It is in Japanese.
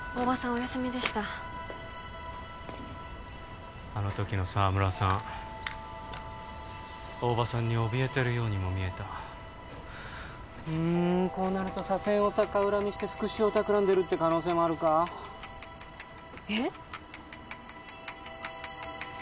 お休みでしたあの時の沢村さん大庭さんにおびえてるようにも見えたうんこうなると左遷を逆恨みして復讐を企んでるって可能性もあるかえっ？